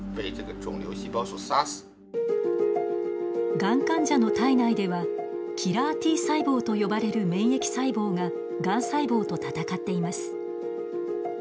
がん患者の体内ではキラーＴ細胞と呼ばれる免疫細胞ががん細胞と戦っています。